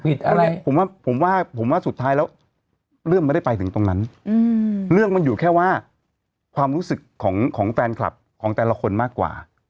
ว่าผมว่าผมว่าสุดท้ายแล้วเรื่องไม่ได้ไปถึงตรงนั้นเรื่องมันอยู่แค่ว่าความรู้สึกของแฟนคลับของแต่ละคนมากกว่า